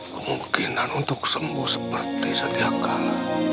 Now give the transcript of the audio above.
kemungkinan untuk sembuh seperti sediakan